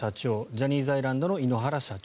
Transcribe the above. ジャニーズアイランドの井ノ原社長